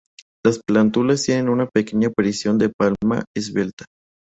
Las plántulas tienen una pequeña aparición de palma esbelta.